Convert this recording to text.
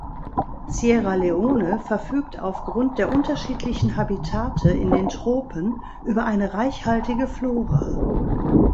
Sierra Leone verfügt aufgrund der unterschiedlichen Habitate in den Tropen über eine reichhaltige Flora.